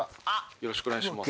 よろしくお願いします